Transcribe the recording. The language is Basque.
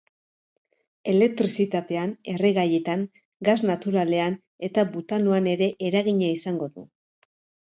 Elektrizitatean, erregaietan, gas naturalean eta butanoan ere eragina izango du.